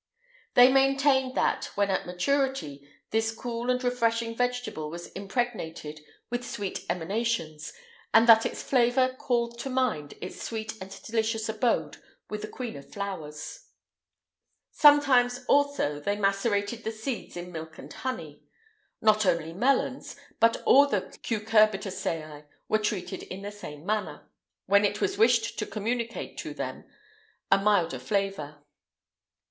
They maintained that, when at maturity, this cool and refreshing vegetable was impregnated with sweet emanations, and that its flavour called to mind its sweet and delicious abode with the queen of flowers.[IX 157] Sometimes also they macerated the seeds in milk and honey. Not only melons, but all the cucurbitaceæ were treated in this manner, when it was wished to communicate to them a milder flavour.